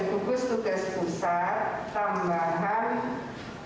yang kedua katanya memberikan perhatian khusus terhadap kasus